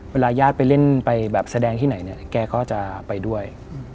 เวลาญาติไปเล่นไปแบบแสดงที่ไหนเนี่ยแกก็จะไปด้วย